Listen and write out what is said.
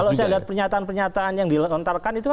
kalau saya lihat pernyataan pernyataan yang dilontarkan itu kan